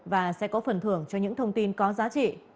và sẽ có phần thưởng cho những thông tin có giá trị